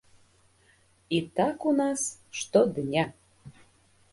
І так у нас штодня!